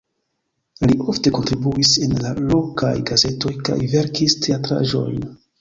Li ofte kontribuis en la lokaj gazetoj kaj verkis teatraĵojn.